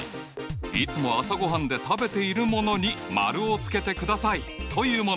いつも朝ごはんで食べているものに丸をつけてくださいというもの。